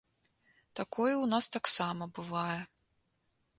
Такое ў нас таксама бывае.